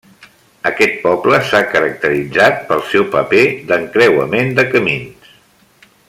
Aquest poble s'ha caracteritzat pel seu paper d'encreuament de camins.